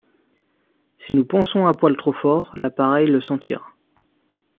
Si nous pensons un poil trop fort, l’appareil le sentira.